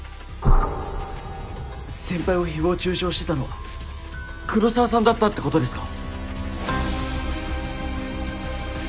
先輩を誹謗中傷してたのは黒澤さんだったってことですか！？